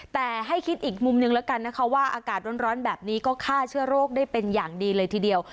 แต่ให้คิดอีกมุมนึงแล้วกันนะคะว่าอากาศร้อนแบบนี้ก็ฆ่าเชื้อโรคได้เป็นอย่างดีเลยทีเดียว